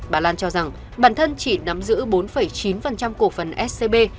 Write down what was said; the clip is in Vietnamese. bà lan cho rằng bản thân chỉ nắm giữ bốn chín cổ phần scb